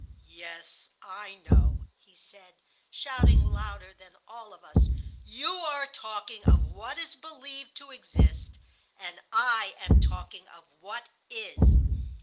"Yes, I know," he said, shouting louder than all of us; "you are talking of what is believed to exist, and I am talking of what is.